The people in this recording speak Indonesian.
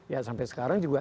ya sampai sekarang juga